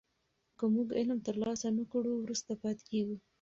که موږ علم ترلاسه نه کړو وروسته پاتې کېږو.